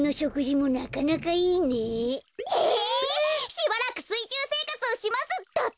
「しばらくすいちゅうせいかつをします」だって。